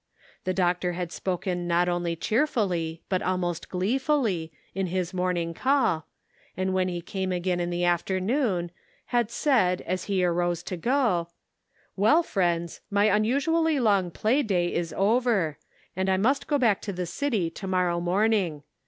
The doctor had spoken not only cheerfully, but almost gleefully, in his morning call, and when he came again in the afternoon, had said, as he arose to go :" Well, friends, my unusually long play day is over, and I must go back to the city to mor row morning.